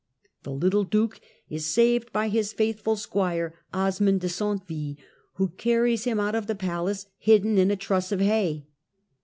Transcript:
The Little Duke is saved by his faithful squire Osmond de Centeville, who carries him out of the palace hidden in a truss of hay.